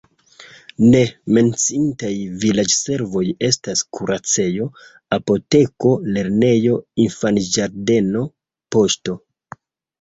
Ne menciitaj vilaĝservoj estas kuracejo, apoteko, lernejo, infanĝardeno, poŝto.